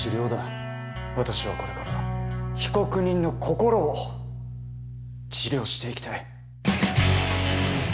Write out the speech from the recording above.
私はこれから被告人の心を治療していきたい。